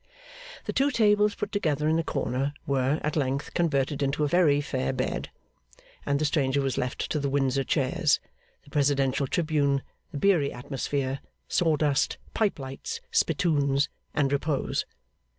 The two tables put together in a corner, were, at length, converted into a very fair bed; and the stranger was left to the Windsor chairs, the presidential tribune, the beery atmosphere, sawdust, pipe lights, spittoons and repose.